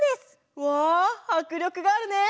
うわはくりょくがあるね！